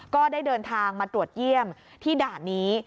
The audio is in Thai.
ก็ได้เดินทางมาตรวจเยี่ยมที่ด่านนี้